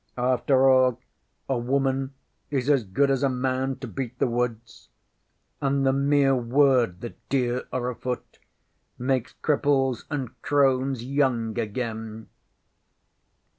ŌĆśAfter all, a woman is as good as a man to beat the woods, and the mere word that deer are afoot makes cripples and crones young again.